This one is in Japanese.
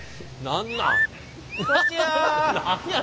何なん。